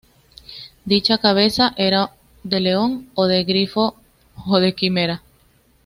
Dicha cabeza era de león o de grifo o de quimera.